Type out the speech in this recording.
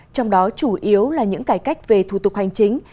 trong đó chủ yếu là những cải cách về thủ tục hành chính